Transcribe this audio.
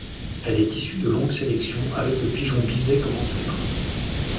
Elle est issue de longues sélections avec le pigeon biset comme ancêtre.